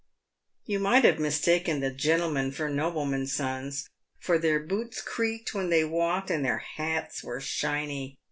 Tou might have mistaken the gentlemen for noblemen's sons, for their boots creaked when they walked, and their hats were shiney.